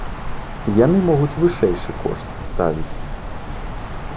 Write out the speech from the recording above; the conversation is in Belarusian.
Яны могуць вышэйшы кошт ставіць.